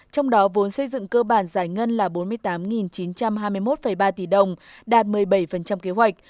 trong đó vốn xây dựng cơ bản giải ngân là bốn mươi tám chín trăm hai mươi một ba tỷ đồng đạt một mươi bảy kế hoạch